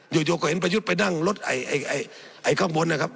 อยู่ก็เห็นประยุทธ์ไปนั่งรถไอ้ข้างบนนะครับ